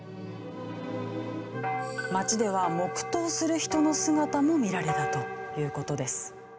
街では黙祷する人の姿も見られたという事です。